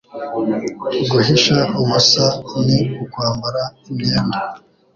Guhisha ubusa ni ukwambara imyenda